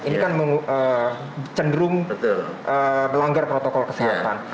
ini kan cenderung melanggar protokol kesehatan